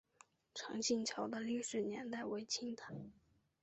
长庆桥的历史年代为清代。